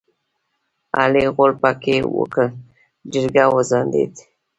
علي غول پکې وکړ؛ جرګه وځنډېده.